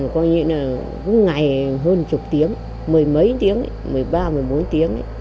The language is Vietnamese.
có nghĩa là có ngày hơn chục tiếng mười mấy tiếng mười ba mười bốn tiếng